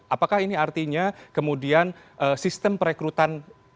apakah ini artinya kemudian sistem perekrutan